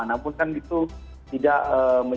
namun kan itu tidak